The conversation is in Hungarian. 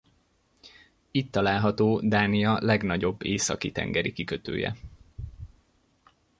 Itt található Dánia legnagyobb északi-tengeri kikötője.